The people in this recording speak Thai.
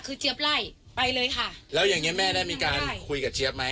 คือเจี๊ยบไล่ไปเลยค่ะแล้วอย่างเงี้แม่ได้มีการคุยกับเจี๊ยบไหม